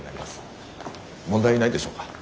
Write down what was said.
問題ないでしょうか？